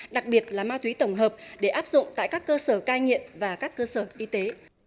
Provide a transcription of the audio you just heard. đặc biệt là ma túy tổng hợp để áp dụng tại các cơ sở cai nghiện và các cơ sở y tế